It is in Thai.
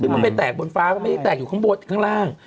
มันไปแตกบนฟ้าก็ไม่ได้แตกอยู่ข้างบนข้างล่าง